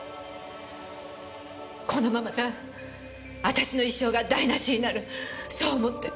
このままじゃ私の一生が台無しになるそう思って。